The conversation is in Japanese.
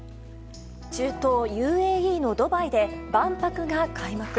中東・ＵＡＥのドバイで万博が開幕。